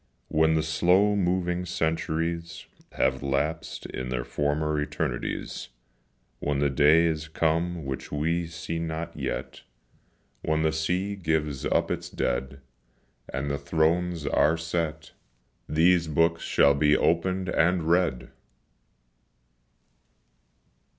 When the slow moving centuries Have lapsed in the former eternities, When the day is come which we see not yet, When the sea gives up its dead And the thrones are set, These books shall be opened and read!